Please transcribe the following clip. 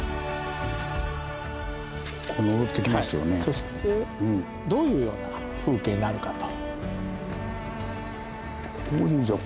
そしてどういうような風景になるかと。